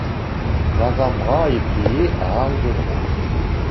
L'avant-bras est plié à angle droit.